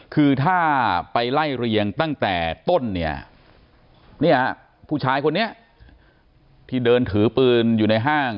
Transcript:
คือถ้าไปไล่เรียงตั้งแต่ต้นเนี่ยผู้ชายคนนี้ที่เดินถือปืนอยู่ในห้าง